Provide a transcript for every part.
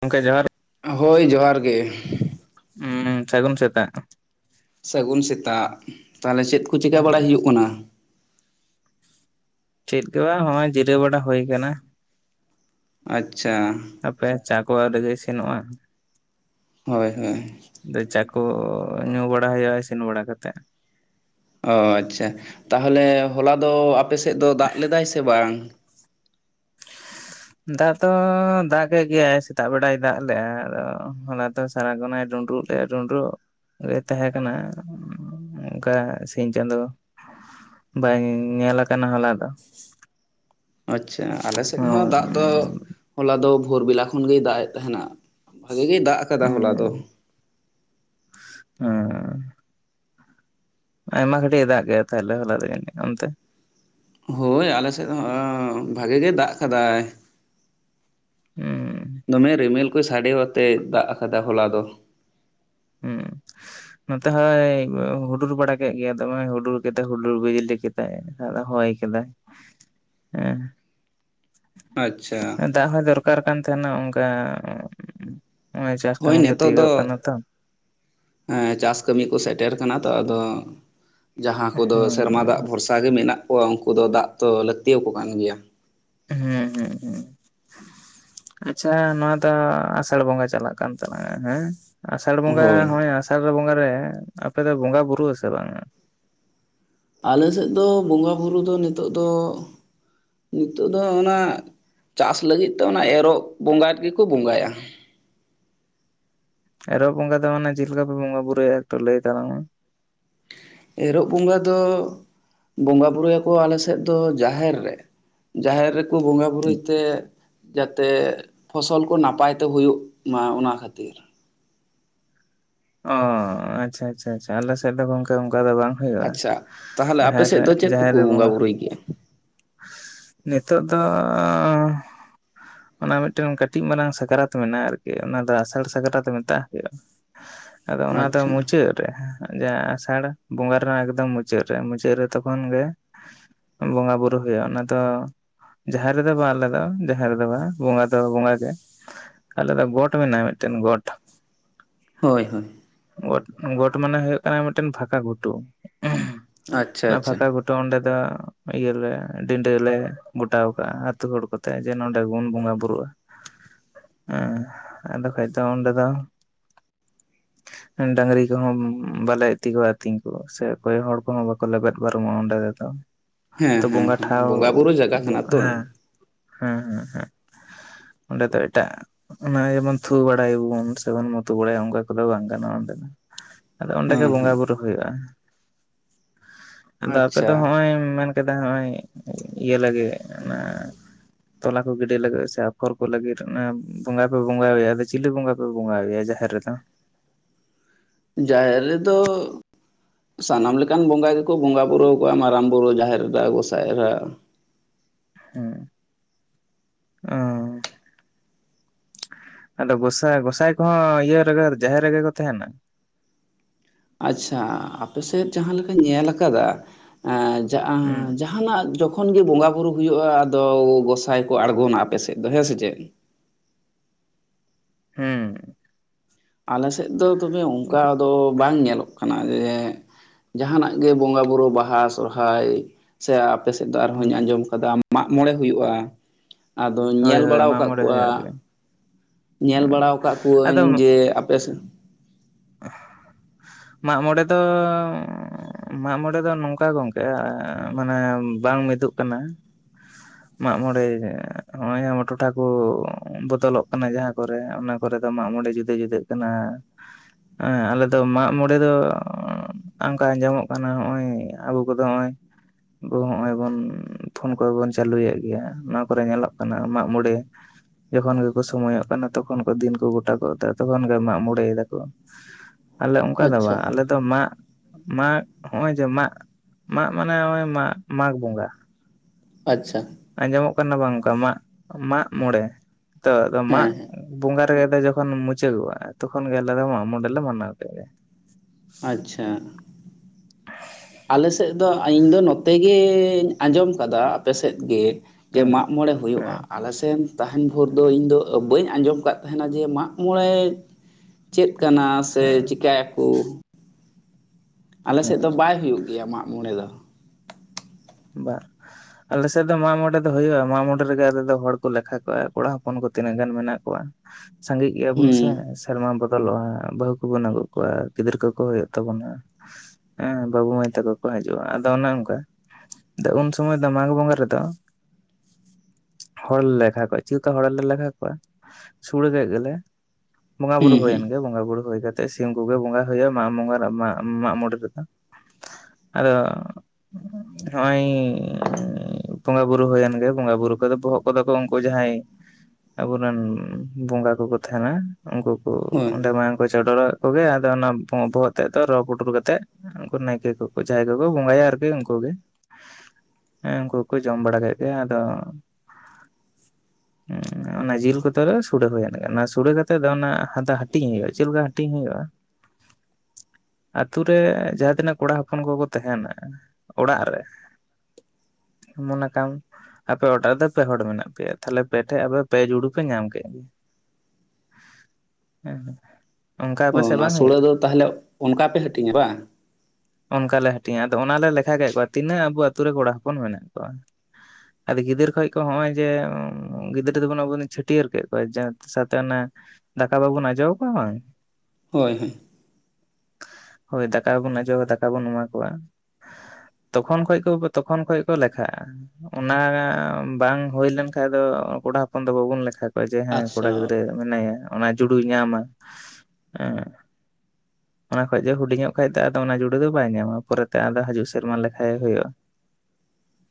ᱜᱚᱝᱠᱮ ᱡᱚᱦᱟᱨ, ᱦᱳᱭ ᱡᱚᱦᱟᱨ ᱜᱮ ᱾ ᱦᱩᱢᱸ ᱥᱟᱹᱜᱩᱱ ᱥᱮᱛᱟᱜ ᱾ ᱥᱟᱹᱜᱩᱱ ᱥᱮᱛᱟᱜ ᱾ ᱛᱟᱦᱚᱞᱮ ᱪᱮᱫ ᱠᱚ ᱪᱤᱠᱟᱹ ᱦᱩᱸ ᱵᱟᱲᱟᱭ ᱦᱩᱭᱩᱜ ᱠᱟᱱᱟ? ᱪᱮᱫ ᱜᱮ ᱵᱟᱝ ᱦᱚᱸᱜᱼᱚᱭ ᱡᱤᱨᱟᱹᱣ ᱵᱟᱲᱟ ᱦᱳᱭ ᱠᱟᱱᱟ ᱾ ᱟᱪᱪᱷᱟ ᱾ ᱦᱟᱯᱮ ᱪᱟ ᱠᱚ ᱟᱣᱨᱤ ᱥᱤᱱᱚᱜᱼᱟ ᱾ ᱦᱚᱭ ᱦᱚᱭ ᱾ ᱪᱟ ᱠᱚ ᱧᱩ ᱵᱟᱲᱟ ᱦᱚᱭᱳᱜᱼᱟ ᱤᱥᱤᱱ ᱵᱟᱲᱟ ᱠᱟᱛᱮᱜ ᱾ ᱚ ᱟᱪᱪᱷᱟ, ᱛᱟᱦᱚᱞᱮ ᱦᱚᱞᱟ ᱫᱚ ᱟᱯᱮ ᱥᱮᱫ ᱫᱚ ᱫᱟᱜ ᱞᱮᱫᱟᱭ ᱥᱮ ᱵᱟᱝ? ᱫᱟᱜ ᱫᱚ ᱫᱟᱜ ᱜᱮ ᱜᱮᱭᱟᱭ ᱥᱮᱛᱟᱜ ᱵᱮᱲᱟᱭ ᱫᱟᱜ ᱞᱮᱜᱼᱟ ᱟᱫᱚ ᱚᱱᱟ ᱥᱟᱨᱟ ᱜᱚᱱᱟᱭ ᱰᱩᱱᱸᱰᱨᱩᱜ ᱞᱮ ᱰᱩᱸᱰᱨᱩᱜ ᱨᱮ ᱛᱟᱦᱮᱸ ᱠᱟᱱᱟ ᱾ ᱚᱱᱠᱟ ᱥᱤᱧ ᱪᱟᱸᱫᱳ ᱵᱟᱭ ᱧᱮᱞ ᱟᱠᱟᱱᱟ ᱦᱚᱞᱟ ᱫᱚ ᱾ ᱟᱪᱪᱷᱟ, ᱟᱞᱮ ᱥᱮᱫ ᱦᱚᱸ ᱫᱟᱜ ᱫᱚ ᱦᱚᱞᱟ ᱫᱚ ᱵᱷᱳᱨ ᱵᱮᱞᱟ ᱠᱷᱚᱱ ᱜᱮᱭ ᱫᱟᱜ ᱮᱫ ᱛᱟᱦᱮᱱᱟ ᱾ ᱵᱷᱟᱜᱤ ᱜᱮ ᱫᱟᱜ ᱟᱠᱟᱫᱟ ᱦᱚᱞᱟ ᱫᱚ ᱾ ᱦᱮᱸ ᱟᱭᱢᱟ ᱜᱷᱟᱹᱲᱤᱡ ᱫᱟᱜ ᱠᱮᱜ-ᱟ ᱛᱟᱦᱚᱞᱮ ᱦᱚᱞᱟ ᱫᱚ ᱮᱱᱮ ᱚᱱᱛᱮ ᱾ ᱦᱳᱭ ᱟᱞᱮ ᱥᱮᱫ ᱦᱚᱸᱻ ᱵᱷᱟᱜᱮ ᱜᱮ ᱫᱟᱜ ᱟᱠᱟᱫᱟᱭ᱾ ᱦᱩᱸ ᱫᱚᱢᱮ ᱨᱤᱢᱤᱞ ᱠᱚ ᱥᱟᱰᱮᱣ ᱣᱟᱛᱮᱫ ᱫᱟᱜ ᱟᱠᱟᱫᱟᱭ ᱦᱚᱞᱟ ᱫᱚ᱾ ᱦᱩᱸ [inaudible] ᱱᱚᱛᱮ ᱦᱚᱸᱭᱻ ᱮᱸ ᱦᱩᱰᱩᱨ ᱵᱟᱲᱟ ᱠᱮᱜ ᱜᱮᱭᱟ, ᱫᱚᱢᱮ ᱦᱩᱰᱩᱨ ᱠᱟᱛᱮ ᱦᱩᱰᱩᱨ ᱵᱤᱡᱽᱞᱤ ᱠᱮᱫᱟᱭ ᱟᱫᱚ ᱦᱚᱭ ᱠᱮᱫᱟᱭ᱾ [inaudible] ᱦᱮᱸ, ᱟᱪᱪᱷᱟ, ᱫᱟᱜ ᱦᱚᱸ ᱫᱚᱨᱠᱟᱨ ᱠᱟᱱ ᱛᱟᱦᱮᱸᱱᱟ, ᱚᱸᱠᱟ ᱚᱱᱟ ᱪᱟᱥ ᱦᱳᱭ ᱠᱟᱹᱢᱤ ᱠᱚ ᱛᱤᱭᱟᱹᱜᱚᱜ ᱠᱟᱱᱟ ᱛᱚ᱾ ᱦᱮ ᱸᱪᱟᱥ ᱠᱟᱹᱢᱤᱜ ᱠᱚ ᱥᱮᱜᱴᱮᱨ ᱠᱟᱱᱟ ᱛᱚ ᱟᱫᱚ ᱡᱟᱦᱟᱸ ᱠᱚᱫᱚ ᱥᱮᱨᱢᱟ ᱫᱟᱜ ᱦᱩᱸ ᱵᱷᱚᱨᱥᱟ ᱜᱮ ᱢᱮᱱᱟᱜ ᱠᱚᱣᱟ, ᱩᱸᱠᱩ ᱫᱚ ᱫᱟᱜ ᱛᱚ ᱞᱟᱹᱠᱛᱤ ᱣᱟᱠᱚ ᱠᱟᱱ ᱜᱮᱭᱟ᱾ ᱦᱮᱸ ᱦᱮᱸ ᱦᱮᱸ, ᱟᱪᱪᱷᱟ ᱱᱚᱣᱟ ᱫᱚ ᱟᱻ ᱟᱥᱟᱲ ᱵᱚᱸᱜᱟ ᱪᱟᱞᱟᱜ ᱠᱟᱱ ᱛᱟᱞᱟᱝᱼᱟ ᱦᱮᱸ, ᱟᱥᱟᱲ ᱵᱚᱸᱜᱟ ᱦᱳᱭ ᱦᱚᱸᱜᱼᱚᱭ ᱟᱥᱟᱫ ᱵᱚᱸᱜᱟ ᱨᱮ ᱟᱯᱮ ᱫᱚ ᱵᱚᱸᱜᱟ ᱵᱩᱨᱩᱜᱼᱟ ᱥᱮ ᱵᱟᱝᱼᱟ? ᱟᱞᱮᱥᱮᱫ ᱫᱚ ᱵᱚᱸᱜᱟ ᱵᱩᱨᱩ ᱫᱚ ᱱᱤᱛᱚᱜ ᱫᱚ ᱱᱤᱛᱚᱜ ᱫᱚ ᱚᱱᱟᱜ ᱪᱟᱥ ᱞᱟᱹᱜᱤᱫ ᱛᱮ ᱚᱱᱟ ᱮᱨᱚᱜ ᱵᱚᱸᱜᱟᱼᱮᱫ ᱜᱮᱠᱚ ᱵᱚᱸᱜᱟᱭᱟ᱾ ᱮᱨᱚᱜ ᱵᱚᱸᱜᱟ ᱫᱚ ᱢᱟᱱᱮ ᱪᱤᱫ ᱞᱮᱠᱟ ᱯᱮ ᱵᱚᱸᱜᱟ ᱵᱩᱨᱩᱭᱟ ᱮᱠ ᱴᱩ ᱞᱟᱹᱭ ᱛᱟᱞᱟᱝ ᱢᱮ? ᱮᱨᱚᱜ ᱵᱚᱸᱜᱟ ᱫᱚ ᱵᱚᱸᱜᱟ ᱵᱩᱨᱩ ᱭᱟᱠᱚ ᱟᱞᱮ ᱥᱮᱫ ᱫᱚ ᱡᱟᱦᱮᱨ ᱨᱮ, ᱡᱟᱦᱮᱨ ᱨᱮᱠᱚ ᱵᱚᱸᱜᱟ ᱵᱩᱨᱩᱭ ᱛᱮ ᱡᱟᱛᱮᱻᱜ ᱯᱷᱚᱥᱚᱞ ᱠᱚ ᱱᱟᱯᱟᱭ ᱛᱮ ᱦᱩᱭᱩᱜ ᱢᱟ, ᱚᱱᱟ ᱠᱷᱟᱹᱛᱤᱨ᱾ ᱟᱸᱻ ᱟᱪᱪᱷᱟ ᱟᱪᱪᱷᱟ ᱟᱪᱪᱷᱟ, ᱟᱞᱮ ᱥᱮᱫ ᱫᱚ ᱜᱚᱝᱠᱮ ᱚᱸᱠᱟ ᱫᱚ ᱵᱟᱝ᱾ ᱦᱩᱭᱩᱜᱼᱟ, ᱟᱪᱪᱷᱟ ᱡᱟᱦᱮᱨ ᱨᱮ ᱡᱟᱦᱮᱨᱮ ᱵᱚᱸᱜᱟ᱾ ᱴᱷᱤᱠ ᱜᱮᱭᱟ᱾ [unintelligible] ᱱᱤᱛᱳᱜ ᱫᱚᱻᱦ ᱚᱱᱟ ᱢᱤᱫᱴᱟᱹᱱ ᱠᱟᱹᱴᱤᱡ ᱢᱟᱨᱟᱝ ᱥᱟᱠᱨᱟᱛ ᱢᱮᱱᱟᱜᱼᱟ, ᱟᱨᱠᱤ ᱚᱱᱟ ᱫᱚ ᱟᱥᱟᱲ ᱥᱟᱠᱨᱟᱛ ᱢᱮᱛᱟᱜᱼᱟ ᱦᱩᱭᱩᱜᱼᱟ᱾ ᱟᱫᱚ ᱚᱱᱟ ᱫᱚ ᱟᱪᱪᱷᱟ ᱢᱩᱪᱟᱹᱫ᱾ ᱴᱟᱹᱜ ᱦᱮᱸ ᱡᱮ ᱟᱥᱟᱲ ᱵᱚᱸᱜᱟ ᱨᱮᱱᱟᱜ ᱮᱠᱫᱚᱢ ᱢᱩᱪᱟᱹᱫ ᱨᱮ ᱢᱩᱪᱟᱹᱫ ᱨᱮ ᱛᱚᱠᱷᱚᱱ ᱜᱮ ᱵᱚᱸᱜᱟ ᱵᱩᱨ- ᱨᱩ ᱦᱩᱭᱩᱜᱼᱟ, ᱚᱱᱟ ᱫᱚ ᱡᱟᱦᱮᱨ ᱨᱮᱫᱚ ᱵᱟᱝᱼᱟ, ᱟᱞᱮ ᱫᱚ ᱡᱟᱦᱮᱨ ᱨᱮᱫᱚ ᱵᱟᱝᱼᱟ ᱵᱚᱸᱜᱟ ᱫᱚ ᱵᱚᱸᱜᱟ ᱜᱮ, ᱟᱞᱮ ᱫᱚ ᱜᱚᱴ ᱢᱮᱱᱟᱭᱟ ᱢᱤᱫᱴᱟᱹᱱ ᱜᱚᱴ᱾ ᱦᱳᱭ ᱦᱳᱭ᱾ ᱜᱚᱴ, ᱜᱚᱴ ᱢᱟᱱᱮ ᱦᱩᱭᱩᱜ ᱠᱟᱱᱟᱭ ᱢᱤᱫᱴᱟᱹᱱ ᱯᱷᱟᱠᱟ ᱜᱷᱩᱴᱩ, [unintelligible] ᱟᱪᱪᱷᱟ ᱚᱱᱟ ᱟᱪᱪᱷᱟ ᱯᱷᱟᱠᱟ ᱜᱷᱩᱴ- ᱴᱩ ᱚᱸᱰᱮ ᱫᱚ ᱤᱭᱟᱹ ᱞᱮ ᱮᱸ ᱰᱤᱰᱟ. ᱞᱮ ᱜᱚᱴᱟᱣ ᱟᱠᱟᱜᱼᱟ ᱟᱹᱛᱩ ᱦᱚᱲ ᱠᱚᱛᱮ ᱡᱮ ᱱᱚᱰᱮ ᱵᱚᱱ ᱵᱚᱸᱜᱟ ᱵᱩᱨᱩᱜᱼᱟ᱾ ᱮᱸ ᱟᱫᱚ ᱡᱷᱟᱡ ᱫᱚ ᱚᱸᱰᱮ ᱫᱚ [inaudible] ᱰᱟᱺᱜᱽᱨᱤ ᱠᱚᱦᱚᱸ ᱩᱸᱻ ᱵᱟᱞᱮ ᱟᱹᱛᱤ ᱠᱚᱣᱟ ᱟᱹᱛᱤᱧ ᱠᱚ, ᱥᱮ ᱚᱠᱚᱭ ᱦᱚᱲ ᱠᱚᱦᱚᱸ ᱵᱟᱠᱚ ᱞᱮᱵᱮᱫ ᱯᱟᱨᱚᱢᱚᱸᱜᱼᱟ ᱚᱸᱰᱮ ᱫᱚ ᱾ ᱛᱚ, ᱦᱮᱸ ᱦᱮᱸ ᱵᱚᱸᱜᱟ ᱦᱮᱸ, ᱴᱷᱟᱶ ᱵᱚᱸᱜᱟ ᱵᱩᱨᱩ ᱡᱟᱜᱟ ᱠᱟᱱᱟ ᱛᱚ᱾ [unintelligible] ᱦᱮᱸ ᱦᱮᱸ ᱦᱮᱸ, ᱚᱸᱰᱮ ᱫᱚ ᱮᱴᱟᱜ ᱚᱱᱟ ᱮᱢᱚᱱ ᱛᱷᱩ ᱵᱟᱲᱟ ᱭᱟᱵᱩᱱ ᱥᱮᱢᱚᱱ ᱢᱩᱛᱩ ᱵᱟᱲᱟᱭᱟ, ᱚᱝᱠᱟ ᱠᱚᱫᱚ ᱵᱟᱝ ᱜᱟᱱᱚᱜᱼᱟ ᱚᱸᱰᱮ ᱫᱚ᱾ ᱟᱫᱚ ᱚᱸᱰᱮ ᱜᱮ ᱦᱮᱸ ᱵᱚᱸᱜᱟ ᱦᱮᱸ ᱵᱩᱨᱩ ᱦᱩᱭᱩᱜᱼᱟ᱾ ᱟᱫᱚ ᱟᱯᱮ ᱫᱚ ᱟᱪᱪᱷᱟ ᱦᱚᱸᱜᱼᱚᱭ, ᱢᱮᱱ ᱠᱮᱫᱟ ᱦᱚᱸᱜᱼᱚᱭ ᱤᱻᱤᱭᱟᱹ ᱞᱟᱹᱜᱤᱫ, ᱚᱱᱟ ᱛᱚᱞᱟ ᱠᱚ ᱜᱤᱰᱤ ᱞᱟᱹᱜᱟᱹᱫ, ᱥᱮ ᱟᱯᱷᱚᱨ ᱠᱚ ᱞᱟᱹᱜᱤᱫ ᱚᱱᱟ ᱵᱚᱸᱜᱟ ᱫᱚ ᱵᱚᱸᱜᱟ ᱣᱟᱭᱟ, ᱟᱫᱚ ᱪᱤᱞᱤ ᱵᱚᱸᱜᱟ ᱯᱮ ᱵᱚᱸᱜᱟ ᱟᱫᱮᱭᱟ ᱡᱟᱦᱮᱨ ᱨᱮᱫᱚ? ᱡᱟᱦᱮᱨ ᱨᱮᱫᱚ ᱥᱟᱱᱟᱢ ᱞᱮᱠᱟᱱ ᱵᱚᱸᱜᱟ ᱜᱮᱠᱚ ᱵᱚᱸᱜᱟ ᱵᱩᱨᱩ ᱟᱠᱚᱣᱟ ᱢᱟᱨᱟᱝ ᱵᱩᱨᱩ ᱡᱟᱦᱮᱨ ᱮᱨᱟ ᱜᱚᱸᱥᱟᱭ ᱮᱨᱟ᱾ ᱦᱩᱸ ᱚᱻ ᱟᱫᱚ ᱜᱚᱸᱥᱟᱭ ᱜᱚᱸᱥᱟᱭ ᱠᱚᱦᱚᱸ ᱤᱭᱟᱹ ᱨᱮᱜᱮ ᱡᱟᱦᱮᱨ ᱨᱮᱜᱮ ᱠᱚ ᱛᱟᱦᱮᱱᱟ? ᱟᱪᱪᱷᱟ ᱟᱯᱮᱥᱮᱫ ᱡᱟᱦᱟᱸ ᱞᱮᱠᱟᱧ ᱧᱮᱞ ᱟᱠᱟᱫᱟ ᱮᱸ ᱡᱟ ᱮᱸ ᱦᱩᱸ ᱡᱟᱦᱱᱟᱜ ᱡᱚᱠᱷ ᱠᱷᱚᱱ ᱜᱮ ᱵᱚᱸᱜᱟ ᱵᱩᱨᱩ ᱦᱩᱭᱩᱜᱼᱟ ᱟᱫᱚ ᱜᱚᱸᱥᱟᱭ ᱠᱚ ᱟᱬᱜᱚᱱᱟ ᱟᱯᱮ ᱥᱮᱫ ᱫᱚ, ᱦᱮᱸ ᱥᱮ ᱪᱮᱫ? ᱦᱮᱸ᱾ ᱟᱞᱮ ᱥᱮᱫ ᱫᱚ ᱛᱚᱵᱮ ᱚᱱᱠᱟ ᱫᱚ ᱵᱟᱝ ᱧᱮᱞᱚᱜ ᱠᱟᱱᱟ᱾ ᱡᱮ ᱡᱟᱦᱟᱱᱟᱜ ᱜᱮ ᱵᱚᱸᱜᱟ ᱵᱩᱨᱩ ᱵᱟᱦᱟ ᱥᱚᱨᱦᱟᱭ ᱥᱮ ᱟᱯᱮ ᱥᱮᱫ ᱫᱚ ᱟᱨᱦᱚᱧ ᱦᱩᱸ ᱟᱸᱡᱚᱢ ᱠᱟᱫᱟ ᱢᱟᱜ ᱢᱚᱬᱮ ᱦᱩᱭᱩᱜᱼᱟ᱾ ᱟᱫᱚᱧ ᱦᱳᱭ ᱧᱮᱞ ᱦᱳᱭ ᱵᱟᱲᱟ ᱢᱟᱜ ᱠᱟᱜ ᱢᱚᱬᱮ ᱠᱚᱣᱟ, ᱦᱩᱭᱩᱜ ᱜᱮᱭᱟ ᱧᱮᱞ ᱦᱮᱸ ᱵᱟᱲᱟ ᱠᱟᱜ ᱟᱫᱚ ᱠᱩᱣᱟᱹᱧ ᱡᱮ ᱟᱯᱮ ᱥᱮ᱾ [inaudible] ᱢᱟᱜ ᱢᱚᱲᱮ ᱫᱚ ᱮᱸ ᱢᱟᱜ ᱢᱚᱬᱮ ᱫᱚ ᱱᱚᱝᱠᱟ ᱜᱚᱝᱠᱮ, ᱮᱸ ᱢᱟᱱᱮ ᱵᱟᱝ ᱢᱤᱫᱚᱜ ᱠᱟᱱᱟ᱾ [inaudible] ᱢᱟᱜ ᱢᱚᱬᱮ ᱦᱚᱸᱜᱼᱚᱭ ᱡᱟᱦᱟ ᱴᱚᱴᱷᱟ ᱠᱚ ᱵᱚᱫᱚᱞᱚᱜ ᱠᱟᱱᱟ ᱡᱟᱦᱟᱸ ᱠᱚᱨᱮ ᱚᱱᱟ ᱠᱚᱨᱮ ᱫᱚ ᱢᱟᱜ ᱢᱚᱬᱮ ᱡᱩᱫᱟᱹ ᱡᱩᱫᱟᱹᱜ ᱠᱟᱱᱟ᱾ ᱦᱮᱸ ᱟᱞᱮ ᱫᱚ ᱢᱟᱜ ᱢᱚᱬᱮ ᱫᱚ ᱚᱱᱠᱟ ᱟᱸᱡᱚᱢᱚᱜ ᱠᱟᱱᱟ ᱦᱚᱸᱜᱼᱚᱭ ᱟᱵᱚ ᱠᱚᱫᱚ ᱦᱚᱸᱜᱼᱚᱭ ᱟᱵᱚ ᱦᱚᱸᱜ-ᱚᱭ ᱵᱚᱱ ᱯᱷᱳᱱ ᱠᱚᱨᱮ ᱵᱚᱱ ᱪᱟᱹᱞᱩᱭᱮᱜ ᱜᱮᱭᱟ, ᱱᱚᱣᱟ ᱠᱚᱨᱮ ᱧᱮᱞᱚᱜ ᱠᱟᱱᱟ ᱢᱟᱜ ᱢᱚᱬᱮ ᱡᱚᱠᱷᱚᱱ ᱜᱮᱠᱚ ᱥᱚᱢᱚᱭᱚᱜ ᱠᱟᱱᱟ ᱛᱚᱠᱷᱚᱱ ᱠᱚ ᱫᱤᱱ ᱠᱚ ᱜᱚᱴᱟ ᱜᱚᱫ ᱫᱟ ᱛᱚᱠᱷᱚᱱ ᱜᱮ ᱢᱟᱜ ᱢᱚᱬᱮᱭ ᱫᱟᱠᱚ᱾ ᱟᱞᱮ ᱚᱱᱠᱟ ᱫᱚ ᱟᱪᱪᱷᱟ ᱵᱟᱝ ᱟᱞᱮ ᱫᱚ ᱢᱟᱜ ᱢᱟᱜ ᱦᱚᱜᱼᱚᱭ ᱡᱮ ᱢᱟᱜ ᱢᱟᱜ ᱢᱟᱱᱮ ᱦᱚᱸᱜᱼᱚᱭ ᱢᱟ ᱢᱟᱜᱽ ᱵᱚᱸᱜᱟ᱾ ᱟᱪᱪᱷᱟ᱾ ᱟᱸᱡᱚᱢᱚᱜ ᱠᱟᱱᱟ ᱵᱟᱝ ᱚᱱᱠᱟ ᱢᱟᱜ ᱢᱟᱜ ᱢᱚᱬᱮ ᱦᱤᱛᱚᱜ ᱫᱚ ᱦᱮᱸ ᱢᱟᱜ ᱦᱮᱸ ᱵᱚᱸᱜᱟ ᱨᱮ ᱟᱫᱚ ᱡᱚᱠᱷᱚᱱ ᱢᱩᱪᱟᱹᱫᱚᱜᱼᱟ ᱛᱚᱠᱷᱚᱱ ᱜᱮ ᱟᱞᱮ ᱫᱚ ᱢᱟᱜ ᱢᱚᱬᱮ ᱞᱮ ᱢᱟᱱᱟᱣ ᱠᱮᱜ ᱜᱮ᱾ ᱟᱪᱪᱷᱟ᱾ ᱟᱞᱮ ᱥᱮᱫ ᱫᱚ ᱤᱧ ᱫᱚ ᱱᱚᱛᱮ ᱜᱤᱧ ᱟᱸᱡᱚᱢ ᱠᱟᱫᱟ ᱟᱯᱮ ᱥᱮᱫ ᱜᱮ, ᱡᱮ ᱦᱮᱸ ᱢᱟᱜ ᱢᱚᱬᱮ ᱦᱳᱭᱳᱜᱼᱟ ᱦᱮᱸ ᱟᱞᱮ ᱥᱮᱱ ᱛᱟᱦᱮᱱ ᱵᱷᱳᱨ ᱫᱚ ᱤᱧ ᱫᱚ ᱵᱟᱹᱧ ᱟᱸᱡᱚᱢ ᱟᱠᱟᱫ ᱛᱟᱦᱮᱱᱟ ᱡᱮ ᱢᱟᱜ ᱢᱚᱬᱮ ᱪᱮᱫ ᱠᱟᱱᱟ ᱥᱮ ᱦᱮᱸ ᱪᱤᱠᱟᱹᱭᱟᱠᱚ? ᱟᱞᱮ ᱥᱮᱫ ᱫᱚ ᱦᱮᱸ ᱵᱟᱭ ᱦᱩᱭᱩᱜ ᱜᱮᱭᱟ ᱢᱟᱜ ᱢᱚᱬᱮ ᱫᱚ᱾ ᱵᱟ᱾ ᱟᱞᱮ ᱥᱮᱫ ᱫᱚ ᱢᱟᱜ ᱢᱚᱬᱮ ᱫᱚ ᱦᱩᱭᱩᱜᱼᱟ, ᱢᱟᱜ ᱢᱚᱲᱮ ᱨᱮᱜᱮ ᱟᱞᱮ ᱫᱚ ᱦᱚᱲ ᱠᱚ ᱞᱮᱠᱷᱟ ᱠᱚᱣᱟ, ᱠᱚᱲᱟ ᱦᱚᱯᱚᱱ ᱠᱚ ᱛᱤᱱᱟᱹᱜ ᱜᱟᱱ ᱢᱮᱱᱟᱜ ᱠᱚᱣᱟ? ᱥᱟᱸᱜᱮᱜ ᱜᱮᱭᱟ ᱵᱚᱱ ᱥᱮ᱾ ᱦᱮᱸ ᱥᱮᱨᱢᱟ ᱵᱚᱫᱚᱞᱚᱜᱼᱟ, ᱵᱟᱹᱦᱩ ᱠᱚᱵᱚᱱ ᱟᱹᱜᱩ ᱠᱚᱣᱟ ᱜᱤᱫᱽᱨᱟᱹ ᱠᱚᱠᱚ ᱦᱩᱭᱩᱜ ᱛᱟᱵᱚᱱᱟ᱾ ᱦᱮᱸ ᱵᱟᱹᱵᱩ ᱢᱟᱹᱭ ᱛᱟᱠᱚ ᱠᱚ ᱦᱤᱡᱩᱜᱼᱟ, ᱟᱫᱚ ᱚᱱᱮ ᱚᱱᱠᱟ᱾ ᱟᱫᱚ ᱩᱱ ᱥᱚᱢᱚᱭ ᱫᱚ ᱢᱟᱜᱷᱽ ᱵᱚᱸᱜᱟ ᱨᱮᱫᱚ ᱦᱚᱲ ᱞᱮᱠᱷᱟ ᱠᱚᱣᱟ, ᱪᱤᱠᱟᱹᱛᱮ ᱦᱚᱲ ᱞᱮ ᱞᱮᱠᱷᱟ ᱠᱚᱣᱟ? ᱥᱩᱲᱮ ᱠᱮᱫ ᱜᱮᱞᱮ, ᱵᱚᱸᱜᱟ ᱵᱩᱨᱩ ᱦᱮᱸ ᱦᱮᱸ ᱦᱩᱭᱮᱱ ᱜᱮ ᱵᱚᱸᱜᱟ ᱵᱩᱨᱩ ᱦᱩᱭ ᱛᱮᱫ ᱥᱤᱢ ᱠᱚᱜᱮ ᱵᱚᱸᱜᱟ ᱦᱩᱭᱩᱜᱼᱟ ᱢᱟᱜ ᱵᱚᱸᱜᱟ ᱨᱮ ᱢᱟᱜ ᱢᱟᱜ ᱢᱚᱬᱮ ᱨᱮᱫᱚ, ᱟᱫᱚ ᱦᱚᱸᱜ-ᱚᱭ ᱵᱚᱸᱜᱟ ᱵᱩᱨᱩ ᱦᱩᱭᱮᱱ ᱜᱮ ᱵᱚᱸᱜᱟ ᱵᱩᱨᱩ ᱠᱚᱫᱚ ᱵᱚᱦᱚᱜ ᱠᱚᱫᱚ ᱠᱚ ᱩᱱᱠᱩ ᱡᱟᱦᱟᱸᱭ ᱟᱵᱚᱨᱮᱱ ᱵᱚᱸᱜᱟ ᱠᱚᱠᱚ ᱛᱟᱦᱮᱱᱟ ᱩᱱᱠᱩ ᱠᱚ ᱦᱳᱭ ᱚᱸᱰᱮ ᱢᱟᱭᱟᱝ ᱠᱚ ᱪᱚᱰᱚᱨᱟ᱾ ᱠᱚᱜᱮ ᱟᱫᱚ ᱚᱱᱟ ᱵᱚᱦᱚᱜ ᱛᱮᱜ ᱫᱚ ᱨᱚ ᱯᱩᱰᱩᱨ ᱠᱟᱛᱮᱜ ᱩᱱᱠᱩ ᱱᱟᱭᱠᱮ ᱠᱚ ᱡᱟᱦᱟᱸᱭ ᱠᱚᱠᱚ ᱵᱚᱸᱜᱟᱭᱟ ᱟᱨᱠᱤ ᱩᱱ ᱩᱱᱠᱩ ᱜᱮ ᱦᱮᱸ ᱩᱱᱠᱩ ᱠᱚ ᱡᱚᱢ ᱵᱟᱲᱟ ᱠᱮᱫ ᱜᱮ ᱟᱫᱚ [inaudible] ᱚᱱᱟ ᱡᱤᱞ ᱠᱚᱛᱮ ᱫᱚ ᱥᱩᱚᱲᱮ ᱦᱩᱭᱮᱱ ᱜᱮ ᱚᱱᱟ ᱥᱚᱲᱮ ᱠᱟᱛᱮᱜ ᱫᱚ ᱚᱱᱟ ᱦᱟᱛᱮ ᱦᱟᱹᱴᱤᱧ ᱦᱩᱭᱩᱜᱼᱟ ᱪᱮᱫᱞᱮᱠᱟ ᱦᱟᱹᱴᱤᱧ ᱦᱩᱭᱩᱜᱼᱟ [inaudible] ᱟᱛᱳ ᱨᱮ ᱡᱟᱦᱟᱸ ᱛᱤᱱᱟᱹᱜ ᱠᱚᱲᱟ ᱦᱚᱯᱚᱱ ᱠᱚᱠᱚ ᱛᱟᱦᱮᱱᱟ᱾ ᱚᱲᱟᱜ ᱨᱮ ᱢᱚᱱᱮ ᱠᱟᱢ ᱟᱯᱮ ᱚᱲᱟᱜ ᱨᱮᱫᱚ ᱯᱮ ᱦᱚᱲ ᱢᱮᱱᱟᱜ ᱯᱮᱭᱟ ᱛᱟᱦᱞᱮ ᱯᱮ ᱴᱷᱮᱡ ᱟᱯᱮ ᱯᱮ ᱡᱩᱲᱩ ᱯᱮ ᱧᱟᱢ ᱠᱮᱫ ᱜᱮ᱾ [inaudible] ᱦᱮᱸ ᱦᱮᱸ ᱚ ᱚᱱᱟ ᱥᱩᱲᱟᱹ ᱫᱚ ᱛᱟᱦᱚᱞᱮ ᱚᱱᱠᱟ ᱯᱮ ᱦᱟᱹᱴᱤᱧᱟ ᱵᱟᱝ? ᱚᱱᱠᱟ ᱞᱮ ᱦᱟᱹᱴᱤᱧᱟ ᱟᱫᱚ ᱚᱱᱟᱞᱮ ᱞᱮᱠᱷᱟ ᱠᱮᱫ ᱠᱚᱣᱟ ᱛᱤᱱᱟᱹᱜ ᱟᱵᱚ ᱟᱛᱩ ᱨᱮ ᱠᱚᱲᱟ ᱦᱚᱯᱚᱱ ᱢᱮᱱᱟᱜ ᱠᱚᱣᱟ᱾ ᱟᱫᱚ ᱜᱤᱫᱟᱹᱨ ᱠᱷᱚᱡ ᱠᱚ ᱦᱚᱸᱜᱼᱚᱭ ᱡᱮ ᱜᱤᱫᱽᱨᱟᱹ ᱫᱚᱵᱚᱱ ᱟᱵᱚᱱ ᱪᱷᱟᱹᱴᱭᱟᱹᱨ ᱠᱮᱫ ᱠᱚᱣᱟ ᱡᱮ ᱥᱟᱶᱛᱮ ᱚᱱᱟ ᱫᱟᱠᱟ ᱵᱟᱵᱩᱱ ᱟᱡᱡᱚᱣ ᱠᱚᱣᱟ ᱵᱟᱝ ᱦᱳᱭ ᱦᱳᱭ ᱦᱳᱭ ᱫᱟᱠᱟᱵᱚᱱ ᱟᱡᱚᱜᱣᱟ ᱫᱟᱠᱟ ᱵᱚᱱ ᱮᱢᱟ ᱠᱚᱣᱟ᱾ ᱛᱚᱠᱷᱚᱱ ᱠᱷᱚᱡ ᱠᱚ ᱛᱚᱠᱷᱚᱱ ᱠᱷᱚᱡ ᱠᱚ ᱞᱮᱠᱷᱟᱜᱼᱟ᱾ ᱚᱱᱟ ᱵᱟᱝ ᱦᱩᱭ ᱞᱮᱱᱠᱷᱟᱱᱡ ᱫᱚ ᱠᱚᱲᱟ ᱦᱚᱯᱚᱱ ᱫᱚ ᱵᱟᱵᱚᱱ ᱞᱮᱠᱷᱟ ᱠᱚ ᱡᱮ ᱦᱮᱸ ᱠᱚᱲᱟ ᱟᱪᱪᱷᱟ ᱜᱤᱫᱽᱨᱟᱹ ᱢᱮᱱᱟᱭᱟ ᱚᱱᱟ ᱡᱩᱲᱩᱭ ᱧᱟᱢᱟ ᱦᱮᱸ ᱚᱱᱟ ᱠᱷᱟᱡ ᱮ ᱦᱩᱰᱤᱧᱚᱜ ᱠᱷᱟᱡ ᱫᱚ ᱟᱫᱚ ᱚᱱᱟ ᱡᱩᱲᱟᱹ ᱫᱚ ᱵᱟᱭ ᱧᱟᱢᱟ ᱯᱚᱨᱮᱛᱮ ᱟ ᱦᱤᱡᱩᱜ ᱥᱮᱨᱢᱟ ᱞᱮᱠᱷᱟᱭᱮ ᱦᱩᱭᱩᱜᱼᱟ᱾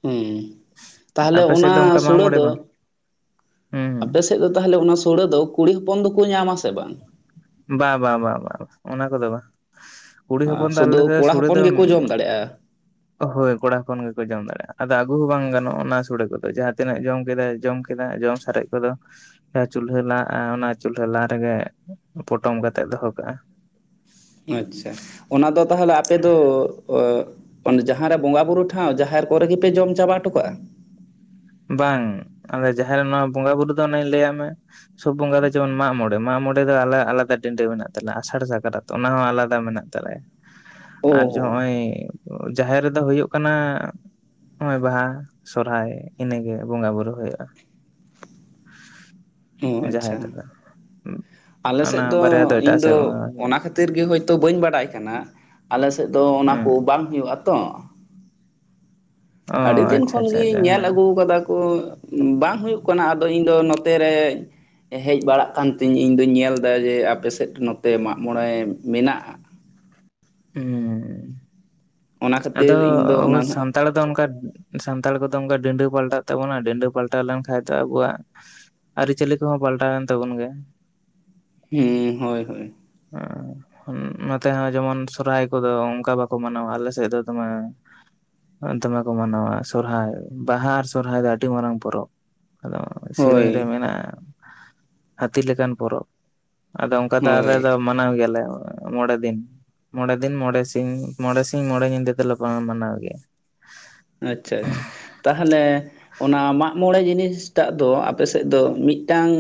ᱦᱩᱸ ᱛᱟᱦᱚᱞᱮ ᱟᱯᱮ ᱥᱮᱫ ᱚᱱᱟ ᱫᱚ ᱚᱱᱠᱟ ᱢᱟᱜ ᱥᱩᱲᱟᱹ ᱢᱚᱬᱮ ᱫᱚ ᱵᱟᱝ ᱦᱩᱸ ᱟᱯᱮ ᱥ ᱦᱩᱸ ᱥᱮᱫ ᱫᱚ ᱛᱟᱦᱚᱞᱮ ᱚᱱᱟ ᱥᱩᱲᱟᱹ ᱫᱚ ᱠᱩᱲᱤ ᱦᱚᱯᱚᱱ ᱫᱚᱠᱚ ᱧᱟᱢ ᱟ ᱥᱮ ᱵᱟᱝ? ᱵᱟ ᱵᱟ ᱵᱟ ᱵᱟ ᱚᱱᱟ ᱠᱚᱫᱚ ᱵᱟᱝ᱾ ᱠᱩᱲᱤ ᱦᱚᱯᱚᱱ ᱫᱚ ᱥᱩᱫᱷᱩ ᱟᱞᱮᱥᱮ ᱠᱚᱲᱟ ᱥᱩᱲᱟᱹ ᱦᱚᱯᱚᱱ ᱫᱚ ᱜᱮᱠᱚ ᱡᱚᱢ ᱫᱟᱲᱮᱭᱟᱜᱼᱟ [unintelligible] ᱦᱳᱭ ᱠᱚᱲᱟ ᱦᱚᱯᱚᱱ ᱜᱮᱠᱚ ᱡᱚᱢ ᱫᱟᱲᱮᱭᱟᱜᱼᱟ ᱟᱫᱚ ᱟᱹᱜᱩ ᱦᱚᱸ ᱵᱟᱝ ᱜᱟᱱᱚᱜᱼᱟ ᱚᱱᱟ ᱥᱩᱲᱳ ᱠᱚᱫᱚ ᱡᱟᱦᱟᱸ ᱛᱤᱱᱟᱹᱜ ᱡᱚᱢ ᱠᱮᱫᱟᱭ ᱡᱚᱢ ᱠᱮᱫᱟ ᱡᱚᱢ ᱥᱟᱨᱮᱡ ᱠᱚᱫᱚ ᱡᱟᱦᱟᱸ ᱪᱩᱞᱦᱟᱹ ᱞᱟ ᱚᱱᱟ ᱪᱩᱞᱦᱟᱹ ᱞᱟ ᱨᱮᱜᱮ ᱯᱚᱴᱚᱢ ᱠᱟᱛᱮ ᱫᱚᱦᱚ ᱠᱟᱜ-ᱟ᱾ ᱟᱪᱪᱷᱟ ᱚᱱᱟ ᱫᱚ ᱛᱟᱦᱚᱞᱮ ᱟᱯᱮ ᱫᱚ ᱡᱟᱦᱟᱸ ᱨᱮ ᱵᱚᱸᱜᱟ ᱵᱩᱨᱩ ᱴᱷᱟᱶ ᱡᱟᱦᱮᱨ ᱠᱚᱨᱮ ᱜᱮᱞᱮ ᱡᱚᱢ ᱪᱟᱵᱟ ᱚᱴᱩ ᱠᱟᱜᱼᱟ? ᱵᱟᱝ ᱟᱞᱮ ᱡᱟᱦᱮᱨ ᱱᱚᱣᱟ ᱵᱚᱸᱜᱟ ᱵᱩᱨᱩ ᱫᱚ ᱚᱱᱮᱧ ᱞᱟᱹᱭᱟᱫ ᱢᱮ ᱥᱚᱵ ᱵᱚᱸᱜᱟ ᱫᱚ ᱡᱮᱢᱚᱱ ᱢᱟ ᱢᱚᱬᱮᱸ ᱢᱟ ᱢᱚᱬᱮᱸ ᱫᱚ ᱟᱞᱮ ᱟᱞᱟᱫᱟ ᱰᱤᱰᱳ ᱢᱮᱱᱟᱜ ᱛᱟᱞᱮ ᱟᱥᱟᱲ ᱥᱟᱠᱨᱟᱛ ᱚᱱᱟ ᱦᱚᱸ ᱟᱞᱟᱫᱟ ᱢᱮᱱᱟᱜ ᱛᱟᱞᱮᱭᱟ ᱚ ᱟᱨ ᱡᱮ ᱦᱚᱸ ᱱᱚᱜᱼᱚᱭ ᱡᱟᱦᱮᱨ ᱨᱮᱫᱚ ᱦᱩᱭᱩᱜ ᱠᱟᱱᱟ ᱱᱚᱜᱼᱚᱭ ᱵᱟᱦᱟ ᱥᱚᱨᱦᱟᱭ ᱤᱱᱟᱹᱜᱮ ᱵᱚᱸᱜᱟ ᱵᱩᱨᱩ ᱦᱩᱭᱩᱼᱟ᱾ ᱚ ᱟᱪᱪᱷᱟ ᱟᱞᱮ ᱚᱱᱟ ᱥᱮᱫ ᱵᱟᱨᱭᱟ ᱫᱚ ᱮᱴᱟᱜ ᱤᱧ ᱫᱚ ᱥᱮᱫ ᱵᱚᱸᱜᱟ ᱦᱩᱭᱩᱜᱼᱟ ᱚᱱᱟ ᱠᱷᱟᱹᱛᱤᱨ ᱠᱷᱟᱹᱛᱤᱨ ᱜᱮ ᱦᱳᱭᱛᱳ ᱵᱟᱹᱧ ᱵᱟᱲᱟᱭ ᱠᱟᱱᱟ ᱟᱞᱮ ᱥᱮᱫ ᱫᱚ ᱚᱱᱟ ᱦᱮᱸ ᱠᱚ ᱵᱟᱝ ᱦᱩᱭᱩᱜ-ᱟ ᱛᱚ᱾ ᱚ ᱟᱹᱰᱤ ᱫᱤᱱ ᱟᱪᱪᱷᱟ ᱟᱪᱪᱷᱟ ᱠᱷᱚᱱᱜᱤᱧ ᱟᱪᱪᱷᱟ ᱧᱮᱞ ᱦᱮᱸ ᱟᱹᱜᱩ ᱟᱠᱟᱫᱟ ᱠᱚ ᱵᱟᱝ ᱦᱩᱭᱩᱜ ᱠᱟᱱᱟ ᱟᱫᱚ ᱤᱧᱫᱚ ᱱᱚᱛᱮᱨᱮ ᱦᱮᱡ ᱵᱟᱲᱟᱜ ᱠᱟᱱ ᱛᱤᱧ ᱤᱧ ᱫᱩᱧ ᱧᱮᱞ ᱮᱫᱟ ᱡᱮ ᱟᱯᱮᱥᱮᱫ ᱱᱚᱛᱮ ᱢᱟᱜ ᱢᱚᱬᱮᱸ ᱢᱮᱱᱟᱜᱼᱟ ᱾ ᱦᱩᱸ ᱚᱱᱟ ᱟᱫᱚ ᱠᱷᱟᱹᱛᱤᱨ ᱤᱧ ᱫᱚ ᱚᱱᱟ [unintelligible] ᱱᱟᱜ ᱥᱟᱱᱛᱟᱲ ᱫᱚ ᱚᱱᱠᱟ ᱥᱟᱱᱛᱟᱲ ᱠᱚᱫᱚ ᱚᱱᱠᱟ ᱰᱤᱰᱳ ᱯᱟᱞᱴᱟᱜ ᱛᱟᱵᱚᱱᱟ ᱰᱤᱰᱳ ᱯᱟᱞᱴᱟᱣ ᱞᱮᱱᱠᱷᱟᱡ ᱫᱚ ᱟᱵᱩᱣᱟᱜ ᱟᱹᱨᱤᱪᱟᱹᱞᱤ ᱠᱚᱦᱚᱸ ᱯᱟᱞᱴᱟᱣᱮᱱ ᱛᱟᱵᱚᱱ ᱜᱮ᱾ ᱦᱩᱸ ᱦᱳᱭ ᱦᱳᱭ ᱩᱸ ᱦᱩᱸ ᱱᱚᱛᱮ ᱦᱚᱸ ᱡᱮᱢᱚᱱ ᱥᱚᱨᱦᱟᱭ ᱠᱚᱫᱚ ᱚᱱᱠᱟ ᱵᱟᱠᱚ ᱢᱟᱱᱟᱣᱟ ᱟᱞᱮᱥᱮᱫ ᱫᱚ ᱫᱚᱢᱮ ᱫᱚᱢᱮ ᱠᱚ ᱢᱟᱱᱟᱣᱟ ᱥᱚᱨᱦᱟᱭ ᱵᱟᱦᱟ ᱟᱨ ᱥᱚᱨᱦᱟᱭ ᱫᱚ ᱟᱹᱰᱤ ᱢᱟᱨᱟᱝ ᱯᱚᱨᱚᱵᱽ ᱟᱫᱚ ᱦᱳᱭ ᱥᱮᱨᱮᱧ ᱨᱮ ᱢᱮᱱᱟᱜᱼᱟ ᱦᱟᱹᱛᱤ ᱞᱮᱠᱟᱱ ᱯᱚᱨᱚᱵᱽ ᱟᱫᱚ ᱚᱱᱠᱟ ᱫᱚ ᱟᱞᱮ ᱦᱳᱭ ᱫᱚ ᱢᱟᱱᱟᱣ ᱜᱮᱭᱟᱞᱮ ᱢᱚᱬᱮ ᱫᱤᱱ ᱢᱚᱬᱮ ᱫᱤᱱ ᱢᱚᱬᱮ ᱥᱤᱧ ᱢᱚᱬᱮ ᱥᱤᱧ ᱢᱚᱬᱮ ᱧᱤᱫᱟᱹ [unintelligible] ᱢᱟᱱᱟᱣ ᱜᱮ ᱟᱪᱪᱷᱟ ᱟᱪᱪᱷᱟ ᱛᱟᱦᱚᱞᱮ ᱚᱱᱟ ᱢᱟᱜᱢᱚᱬᱮ ᱡᱤᱱᱤᱥᱴᱟᱜ ᱫᱚ ᱟᱯᱮ ᱥᱮᱫ ᱫᱚ ᱢᱤᱫᱴᱟᱝ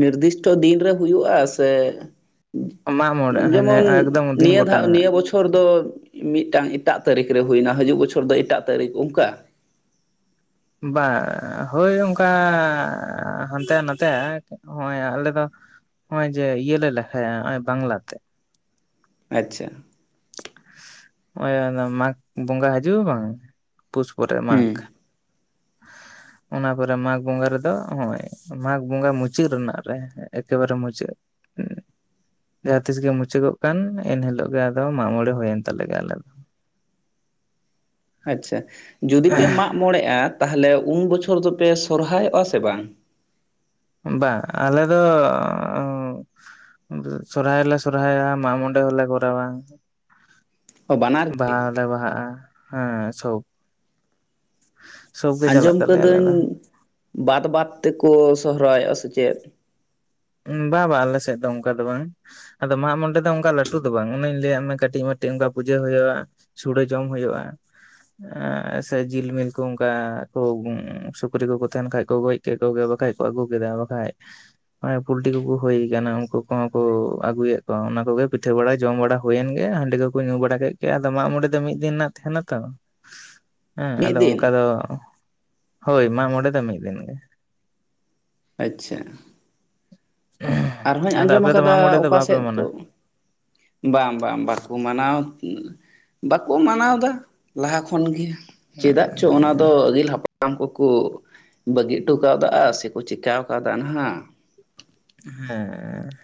ᱱᱤᱨᱫᱤᱥᱴᱚ ᱫᱤᱱ ᱨᱮ ᱦᱩᱭᱩᱜᱼᱟ ᱥᱮ ᱢᱟᱜ ᱢᱚᱬᱮ ᱦᱟᱱᱮ ᱡᱮᱢᱚᱱ ᱮᱠᱫᱚᱢ ᱫᱤᱱ ᱱᱤᱭᱟᱹ ᱜᱚᱴᱟ ᱫᱷᱟᱣ ᱢᱮᱱᱟᱜᱼᱟ ᱱᱤᱭᱟᱹ ᱵᱚᱪᱷᱚᱨ ᱵᱚᱪᱷᱚᱨ ᱫᱚ ᱢᱤᱫᱴᱟᱝ ᱮᱴᱟᱜ ᱛᱟᱹᱨᱤᱠᱷ ᱨᱮ ᱦᱩᱭᱱᱟ ᱦᱤᱡᱩᱜ ᱵᱚᱪᱷᱚᱨ ᱫᱚ ᱮᱴᱟᱜ ᱛᱟᱹᱨᱤᱠᱷ ᱚᱱᱠᱟ ᱵᱟ ᱦᱳᱭ ᱚᱱᱠᱟᱻ ᱦᱟᱱᱛᱮ ᱱᱟᱛᱮᱜᱼᱟ ᱱᱚᱜᱼᱚᱭ ᱟᱞᱮ ᱫᱚ ᱱᱚᱜᱼᱚᱭ ᱡᱮ ᱤᱭᱟᱹ ᱞᱮ ᱞᱮᱠᱷᱟᱭᱟ ᱱᱚᱜᱼᱚᱭ ᱵᱟᱝᱞᱟᱛᱮ ᱟᱪᱪᱷᱟ ᱱᱚᱜᱼᱚᱭ ᱚᱱᱟ ᱢᱟᱜᱽ ᱵᱚᱸᱜᱟ ᱦᱤᱡᱩᱜᱼᱟ ᱵᱟᱝ ᱯᱩᱥ ᱯᱚᱨᱮ ᱢᱟᱜᱽ ᱦᱩᱸ [inaudible] ᱚᱱᱟ ᱯᱚᱨᱮ ᱢᱟᱜᱽ ᱵᱚᱸᱜᱟ ᱨᱮᱫᱚ ᱱᱚᱜᱼᱚᱭ ᱢᱟᱜᱽ ᱵᱚᱸᱜᱟ ᱢᱩᱪᱟᱹᱫ ᱨᱮᱱᱟᱜ ᱨᱮ ᱮᱠᱮᱵᱟᱨᱮ ᱢᱩᱪᱟᱹᱫ [inaudible] ᱡᱟᱦᱟᱸ ᱛᱤᱥ ᱜᱮ ᱢᱩᱪᱟᱹᱫᱚᱜ ᱠᱟᱱ ᱮᱱ ᱦᱤᱞᱳᱜ ᱜᱮ ᱟᱫᱚ ᱢᱟᱜ ᱢᱬᱮ ᱦᱩᱭᱮᱱ ᱛᱟᱞᱮ ᱜᱮ ᱟᱞᱮ ᱫᱚ ᱟᱪᱪᱷᱟ ᱡᱩᱫᱤ ᱯᱮ ᱢᱟᱜ ᱢᱚᱬᱮᱜᱼᱟ ᱛᱟᱦᱚᱞᱮ ᱩᱱ ᱵᱚᱪᱷᱚᱨ ᱫᱚᱯᱮ ᱥᱚᱨᱦᱚᱨᱟᱭᱚᱜᱼᱟ ᱥᱮ ᱵᱟᱝ? ᱵᱟᱝ ᱟᱞᱮ ᱫᱚᱻ ᱥᱚᱨᱦᱟᱭ ᱞᱮ ᱥᱚᱨᱦᱟᱭᱟ ᱢᱟᱜᱢᱚᱬᱮ ᱦᱚᱸᱞᱮ ᱠᱚᱨᱟᱣᱼᱟ ᱚ ᱵᱟᱱᱟᱨ ᱵᱟᱦᱟ ᱦᱚᱞᱮ ᱵᱟᱦᱟᱜᱼᱟ ᱦᱮᱸ ᱥᱚᱵ ᱥᱚᱵ ᱜᱮ ᱪᱟᱞᱟᱜ ᱟᱸᱡᱚᱢ ᱛᱟᱞᱮᱭᱟ ᱟᱞᱮ ᱠᱟᱹᱫᱟᱹᱧ ᱫᱚ ᱵᱟᱫ ᱵᱟᱫᱽ ᱛᱮᱠᱚ ᱥᱚᱦᱚᱨᱟᱭᱚᱜᱼᱟ ᱥᱮ ᱪᱮᱫ? ᱵᱟ ᱵᱟ ᱟᱞᱮᱥᱮᱫ ᱫᱚ ᱚᱱᱠᱟ ᱫᱚ ᱵᱟᱝ ᱟᱫᱚ ᱢᱟᱜᱢᱚᱬᱮ ᱫᱚ ᱚᱱᱠᱟ ᱞᱟᱹᱴᱩ ᱫᱚ ᱵᱟᱝ ᱚᱱᱮᱧ ᱞᱟᱹᱭᱟᱜ ᱢᱮ ᱠᱟᱹᱴᱤᱡ ᱢᱟᱴᱤᱡ ᱚᱱᱠᱟ ᱯᱩᱡᱟᱹ ᱦᱳᱭᱳᱜᱼᱟ ᱥᱩᱲᱳ ᱡᱚᱢ ᱦᱳᱭᱳᱜᱼᱟ। ᱮᱸᱻ ᱥᱮ ᱡᱤᱞᱢᱤᱞ ᱠᱩ ᱚᱱᱠᱟ ᱠᱚ ᱥᱩᱠᱨᱤ ᱠᱚᱠᱚ ᱛᱟᱦᱮᱱ ᱠᱷᱟᱡ ᱠᱚ ᱜᱚᱡ [unintelligible] ᱠᱚᱣᱟ ᱵᱟᱠᱷᱟᱡ ᱠᱚ ᱟᱜᱩ ᱠᱮᱫᱟ ᱵᱟᱠᱷᱟᱡ ᱚᱱᱮ ᱯᱩᱞᱴᱤ ᱠᱚᱠᱚ ᱦᱩᱭ ᱠᱟᱱᱟ ᱩᱱᱠᱩ ᱠᱚᱦᱚᱸ ᱠᱚ ᱟᱹᱜᱩᱭᱮᱫ ᱠᱚᱣᱟ ᱚᱱᱟ ᱠᱚᱜᱮ ᱯᱤᱴᱷᱟᱹ ᱵᱟᱲᱟ ᱡᱚᱢ ᱵᱟᱲᱟ ᱦᱩᱭᱮᱱ ᱜᱮ ᱦᱟᱺᱰᱤ ᱠᱚ ᱠᱚ ᱧᱩ ᱵᱟᱲᱟ ᱠᱮᱫ ᱜᱮ ᱟᱫᱚ ᱢᱟᱜ ᱢᱚᱬᱮ ᱫᱚ ᱢᱤᱫ ᱫᱤᱱ ᱨᱮᱱᱟᱜ ᱛᱟᱦᱮᱱᱟ ᱛᱚ [unintelligible] ᱮᱸ ᱟᱫᱚ ᱫᱤᱱ ᱚᱱᱠᱟ ᱫᱚ ᱦᱳᱭ ᱢᱟᱜᱢᱚᱬᱮ ᱫᱚ ᱢᱤᱫ ᱫᱤᱱ ᱜᱮ ᱟᱪᱪᱷᱟ ᱟᱨᱦᱚᱧ ᱟᱫᱚ ᱟᱸᱡᱚᱢ ᱟᱯᱮ ᱫᱚ ᱠᱟᱫᱟ ᱢᱟᱜ ᱢᱚᱬᱮ ᱫᱚ ᱚᱠᱟ ᱵᱟᱯᱮ ᱥᱮᱫ ᱫᱚ ᱢᱟᱱᱟᱣᱟ ᱵᱟᱝ ᱵᱟᱝ ᱵᱟᱠᱚ ᱢᱟᱱᱟᱣ ᱵᱟᱠᱚ ᱢᱟᱱᱟᱣ ᱫᱟ ᱞᱟᱦᱟ ᱠᱷᱚᱱ ᱜᱮ ᱪᱮᱫᱟᱜ ᱪᱚ ᱚᱱᱟ ᱫᱚ ᱟᱹᱜᱤᱞ ᱦᱟᱯᱲᱟᱢ ᱦᱟᱲᱟᱢ ᱠᱚᱠᱚ ᱵᱟᱹᱜᱤ ᱦᱚᱴᱚ ᱠᱟᱣᱫᱟ ᱥᱮ ᱠᱚ ᱪᱮᱠᱟᱣ ᱠᱟᱣᱫᱟ ᱱᱟᱦᱟᱜ ᱦᱮᱸᱻ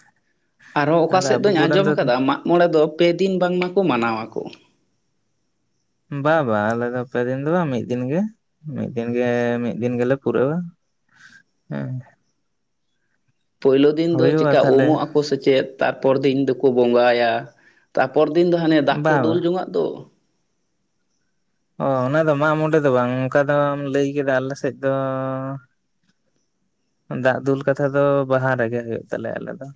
ᱟᱨᱦᱚᱸ ᱚᱠᱟ ᱥᱮᱫ ᱫᱚᱧ ᱟᱸᱡᱚᱢ ᱠᱟᱫᱟ ᱢᱟᱜᱢᱚᱬᱮ ᱫᱚ ᱯᱮ ᱫᱤᱱ ᱵᱟᱝᱢᱟ ᱠᱚ ᱢᱟᱱᱟᱣᱟᱠᱚ ᱵᱟ ᱵᱟ ᱟᱞᱮᱫᱚ ᱯᱮ ᱫᱤᱱ ᱫᱚ ᱵᱟᱝ ᱢᱤᱫ ᱫᱤᱱ ᱜᱮ ᱢᱤᱫ ᱫᱤᱱ ᱜᱮ ᱢᱤᱫ ᱫᱤᱱ ᱜᱮᱞᱮ ᱯᱩᱨᱟᱹᱣᱟ ᱦᱮᱸ ᱦᱮ ᱯᱳᱭᱞᱳ ᱫᱤᱱ ᱫᱚ ᱦᱩᱭᱩᱜᱼᱟ ᱪᱤᱠᱟ ᱛᱟᱦᱚᱞᱮ ᱩᱢᱚᱜ ᱟᱠᱚ ᱥᱮᱪᱮᱫ ᱛᱟᱨᱯᱚᱨ ᱫᱤᱱ ᱫᱚᱠᱚ ᱵᱚᱸᱜᱟᱭᱟ ᱛᱟᱯᱚᱨ ᱫᱤᱱ ᱫᱚ ᱦᱟᱱᱮ ᱫᱟᱜ ᱠᱚ ᱵᱟ ᱵᱟ ᱫᱩᱞ ᱡᱚᱝᱟᱜ ᱫᱚ ᱚ ᱚᱱᱟᱫᱚ ᱢᱟᱜ ᱢᱚᱬᱮ ᱫᱚ ᱵᱟᱝ ᱚᱱᱠᱟ ᱫᱚᱢ ᱞᱟᱹᱭ ᱠᱮᱫᱟ ᱟᱞᱮ ᱥᱮᱫ ᱫᱚ, ᱫᱟᱜ ᱫᱩᱞ ᱠᱟᱛᱷᱟ ᱫᱚ ᱵᱟᱦᱟ ᱨᱮᱜᱮ ᱦᱩᱭᱩᱜ ᱛᱟᱞᱮᱭᱟ ᱟᱞᱮ ᱫᱚ᱾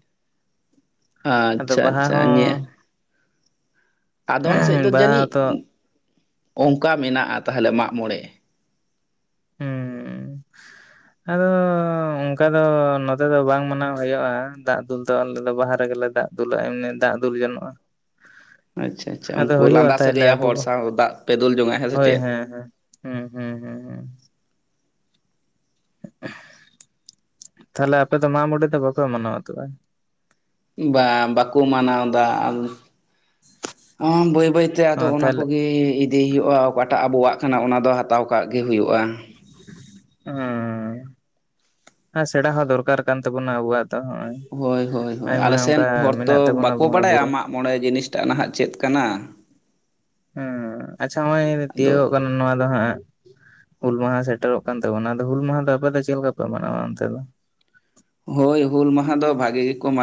ᱟᱫᱚ ᱟᱪᱪᱷᱟ ᱵᱟᱦᱟ ᱟᱪᱪᱷᱟ ᱦᱚᱸ ᱟᱫᱚᱢ ᱥᱮᱫ ᱫᱚ ᱵᱟᱦᱟ ᱡᱟᱹᱱᱤᱡ ᱦᱚᱛᱚ ᱚᱱᱠᱟ ᱢᱮᱱᱟᱜᱼᱟ ᱛᱟᱦᱚᱞᱮ ᱢᱟᱜᱢᱚᱬᱮ᱾ ᱦᱩᱸᱻ ᱚᱱᱠᱟ ᱫᱚ ᱱᱚᱛᱮ ᱫᱚ ᱵᱟᱝ ᱢᱟᱱᱟᱣ ᱦᱩᱭᱩᱜᱼᱟ ᱫᱟᱜ ᱫᱩᱞ ᱫᱚ ᱟᱞᱮ ᱫᱚ ᱵᱟᱦᱟ ᱨᱮᱜᱮᱞᱮ ᱫᱟᱜ ᱫᱩᱞᱟᱜ ᱮᱢᱱᱤ ᱫᱟᱜ ᱫᱩᱞ ᱡᱚᱱᱚᱜᱼᱟ᱾ ᱟᱪᱪᱷᱟ ᱟᱪᱪᱷᱟ ᱩᱱᱠᱩ ᱞᱟᱸᱫᱟ ᱛᱟᱦᱚᱞᱮ ᱥᱟᱹᱜᱟᱹᱭᱟᱱ ᱦᱚᱲ ᱟᱵᱚ ᱥᱟᱶ ᱫᱟᱜ ᱯᱮ ᱫᱩᱞ ᱡᱚᱝᱟᱜ-ᱟ ᱦᱮᱸ ᱥᱮ ᱦᱳᱭ ᱪᱮᱫ᱾ ᱦᱮᱸ ᱦᱮᱸ ᱦᱩᱸ ᱦᱩᱸ ᱦᱩᱸ ᱦᱩᱸ ᱛᱟᱦᱚᱞᱮ ᱟᱯᱮ ᱫᱚ ᱢᱟᱜ ᱢᱚᱬᱮ ᱫᱚ ᱵᱟᱯᱮ ᱢᱟᱱᱟᱣᱟ ᱛᱚᱵᱮ? ᱵᱟ ᱵᱟᱠᱚ ᱢᱟᱱᱟᱣᱫᱟ ᱵᱟᱹᱭ ᱵᱟᱹᱭᱛᱮ ᱚ ᱟᱫᱚ ᱚᱱᱟ ᱛᱟᱦᱞᱮ ᱠᱚᱜᱮ ᱤᱫᱤ ᱦᱩᱭᱩᱜᱼᱟ ᱚᱠᱟᱴᱟᱜ ᱟᱵᱚᱣᱟᱜ ᱠᱟᱱᱟ ᱚᱱᱟ ᱫᱚ ᱦᱟᱛᱟᱣ ᱠᱟᱜ ᱜᱮ ᱦᱩᱭᱩᱜᱼᱟ᱾ ᱚᱸᱻ ᱦᱮᱸ ᱥᱮᱲᱟ ᱦᱚᱸ ᱫᱚᱨᱠᱟᱨ ᱠᱟᱱ ᱛᱟᱵᱚᱱᱟ ᱟᱵᱚᱣᱟᱜ ᱫᱚ ᱱᱚᱜ-ᱚᱭ ᱦᱳᱭ ᱦᱳᱭ ᱦᱳᱭ, ᱟᱞᱮᱥᱮᱱ ᱦᱚᱲ ᱛᱚ ᱛᱟᱵᱚᱱᱟ ᱵᱟᱠᱚ ᱵᱚᱸᱜᱟ ᱵᱟᱲᱟᱭᱟ ᱵᱩᱨᱩ ᱢᱟᱜ ᱢᱚᱬᱮ ᱡᱤᱱᱤᱥᱴᱟᱜ ᱱᱟᱦᱟᱜ ᱪᱮᱫ ᱠᱟᱱᱟ? ᱦᱮᱸ ᱟᱪᱪᱷᱟ ᱱᱚᱜᱼᱚᱭ ᱟᱫᱚ ᱛᱤᱭᱳᱜᱚᱜ ᱠᱟᱱᱟ ᱱᱚᱣᱟ ᱫᱚ ᱦᱟᱸᱜ ᱦᱩᱞ ᱢᱟᱦᱟ ᱥᱮᱴᱮᱨᱚᱜ ᱠᱟᱱ ᱛᱟᱵᱚᱱᱟ ᱟᱫᱚ ᱦᱩᱞ ᱢᱟᱦᱟ ᱫᱚ ᱟᱯᱮ ᱫᱚ ᱪᱮᱫ ᱞᱮᱠᱟ ᱯᱮ ᱢᱟᱱᱟᱣᱟ ᱚᱱᱛᱮ ᱫᱚ? ᱦᱳᱭ ᱦᱩᱞ ᱢᱟᱦᱟ ᱫᱚ ᱵᱷᱟᱜᱮ ᱜᱮᱠᱚ ᱢᱟᱱᱟ